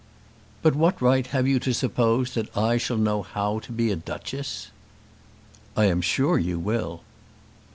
"But what right have you to suppose I shall know how to be a Duchess?" "I am sure you will."